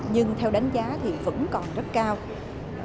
nhưng theo đánh giá thì vẫn còn rất cao